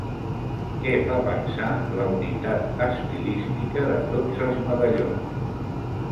Què fa pensar la unitat estilística de tots els medallons?